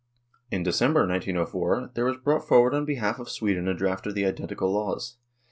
In December, 1904, there was brought forward on behalf of Sweden a draft of the identical laws.